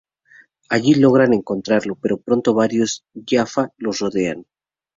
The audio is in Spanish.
Allí logran encontrarlo, pero pronto varios Jaffa los rodean.